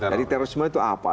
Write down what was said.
jadi terorisme itu apa